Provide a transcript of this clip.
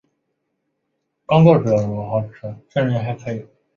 这种技术也可以用来判断各个种的生物之间的关系。